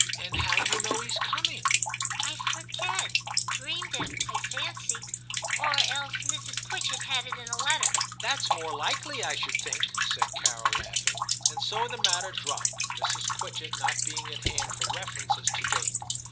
' And how do you know he's coming ?'* I forget : dreamed it, I fancy ; or else Mrs. Quitchett had it in a letter.' * That's more likely, / should think,' said Carol, laughing ; and so the matter dropped, Mrs. Quitchett not being at hand for refer ence as to date.